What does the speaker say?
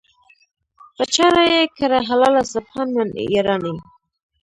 "په چاړه یې کړه حلاله سبحان من یرانی".